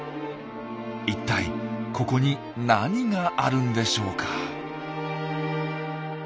一体ここに何があるんでしょうか？